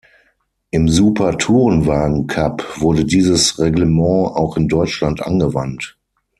Im Super Tourenwagen Cup wurde dieses Reglement auch in Deutschland angewandt.